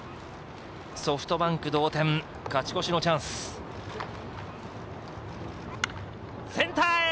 ソフトバンク同点勝ち越しのチャンスセンターへ！